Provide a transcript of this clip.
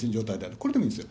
これでもいいんですよ。